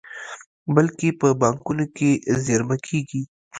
بلکې په بانکونو کې زېرمه کیږي.